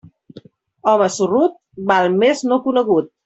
Home sorrut, val més no conegut.